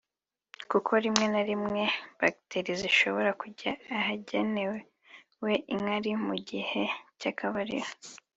kuko rimwe na rimwe bacteri zishobora kujya ahagenewe inkari mu gihe cy’akabariro